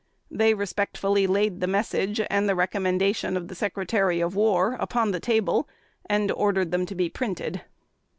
They respectfully laid the Message, and the recommendation of the Secretary of War, upon the table, and ordered them to be printed.